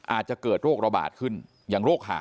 อาจจะเกิดโรคระบาดขึ้นอย่างโรคหา